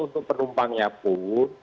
untuk penumpangnya pun